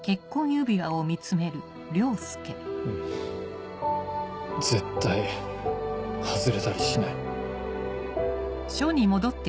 うん絶対外れたりしない。